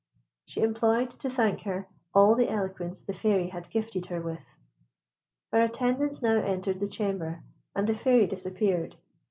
She employed to thank her all the eloquence the Fairy had gifted her with. Her attendants now entered the chamber, and the Fairy disappeared.